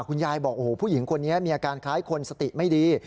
คุณยายบอกโอ้โหผู้หญิงคนนี้มีอาการคล้ายคนสติไม่ดี